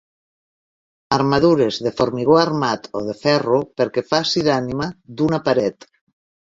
Armadures de formigó armat o de ferro perquè faci d'ànima d'una paret.